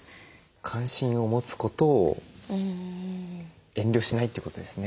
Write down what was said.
関心を持つことを遠慮しないってことですね。